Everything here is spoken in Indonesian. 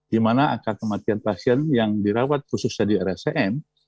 di mana angka kematian pasien yang dirawat khususnya di rscm